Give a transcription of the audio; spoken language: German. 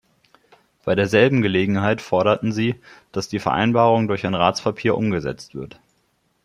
Bei derselben Gelegenheit forderten sie, dass die Vereinbarung durch ein Ratspapier umgesetzt wird.